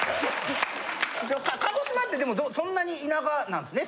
鹿児島ってでもそんなに田舎なんですね。